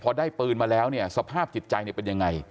พอได้ปืนมาแล้วเนี่ยสภาพจิตใจเนี่ยเป็นยังไง